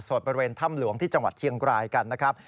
บริเวณถ้ำหลวงที่จังหวัดเชียงรายกันนะครับ